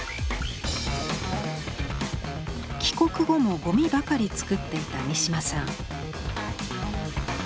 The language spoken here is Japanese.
帰国後もゴミばかり作っていた三島さん。